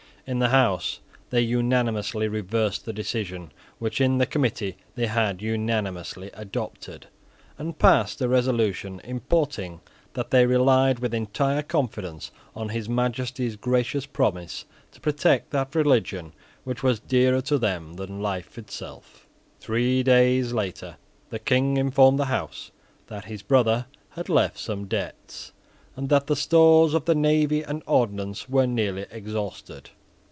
In the House, they unanimously reversed the decision which, in the Committee, they had unanimously adopted and passed a resolution importing that they relied with entire confidence on His Majesty's gracious promise to protect that religion which was dearer to them than life itself. Three days later the King informed the House that his brother had left some debts, and that the stores of the navy and ordnance were nearly exhausted.